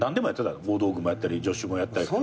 大道具もやったり助手もやったり。